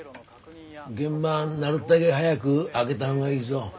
原盤なるったけ早く揚げた方がいいぞ。